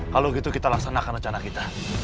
kalau gitu kita laksanakan rencana kita